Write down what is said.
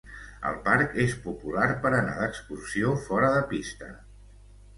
El parc és popular per anar d'excursió fora de pista.